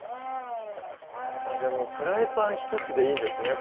じゃあもうフライパン１つでいいんですね